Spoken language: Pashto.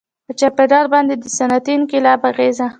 • په چاپېریال باندې د صنعتي انقلاب اغېزه.